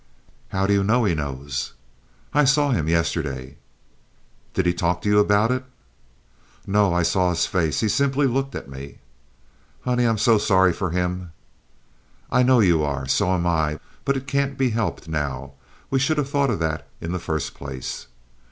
"How do you know he knows?" "I saw him yesterday." "Did he talk to you about it?" "No; I saw his face. He simply looked at me." "Honey! I'm so sorry for him!" "I know you are. So am I. But it can't be helped now. We should have thought of that in the first place."